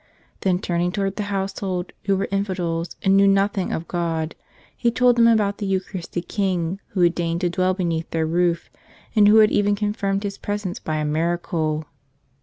Then turning towards the household, who were infidels and knew nothing of God, he told them about the Eucharistic King Who had deigned to dwell beneath their roof and Who had even confirmed His presence by a miracle.